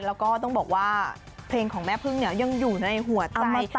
แล้วก็ต้องบอกว่าเพลงของแม่พึ่งเนี่ยยังอยู่ในหัวใจ